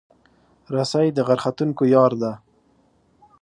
رسۍ د غر ختونکو یار ده.